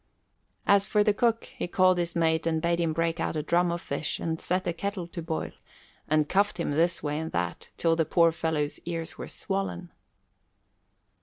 As for the cook, he called his mate and bade him break out a drum of fish and set a kettle to boil, and cuffed him this way and that, till the poor fellow's ears were swollen.